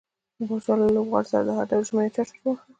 پاچا له لوبغاړو سره د هر ډول ژمنې ټټر واوهه.